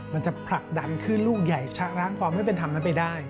มันจะผลักดันขึ้นลูกใหญ่ชะล้างความไม่เป็นธรรมนั้นไปได้